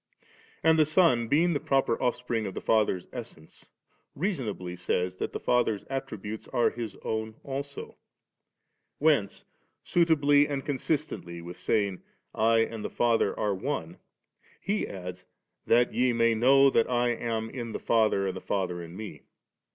And the Son, being the proper Offspring of the Father's Essence, reasonably says that the Father's attributes are His own also; whence suitably and consistently with saying, * I and the Father are One,' He adds, 'that ye may know that I am in the Father and the Father in Me'.'